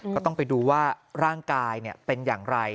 ก็ต้องไปดูว่าร่างกายเป็นอย่างไร